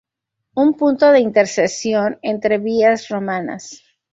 Un punto de intersección entre vías romanas.